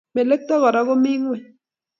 Melekto Kora ko mi ngweny